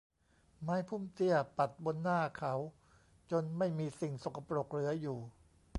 ไม้พุ่มเตี้ยปัดบนหน้าเขาจนไม่มีสิ่งสกปรกเหลืออยู่